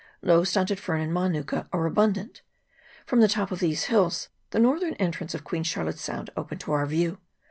Low stunted fern and manuka are abun dant. From the top of these hills the northern entrance of Queen Charlotte's Sound opened to our view.